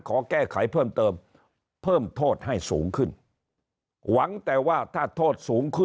ขอแก้ไขเพิ่มเติมเพิ่มโทษให้สูงขึ้นหวังแต่ว่าถ้าโทษสูงขึ้น